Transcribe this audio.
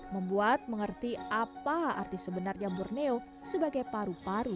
membuat mengerti apa arti sebenarnya borneo sebagai paru paru